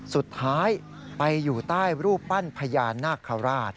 สุดท้ายไปอยู่ใต้รูปปั้นพญานาคาราช